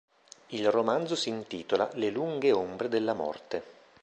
Il romanzo si intitola "Le lunghe ombre della morte".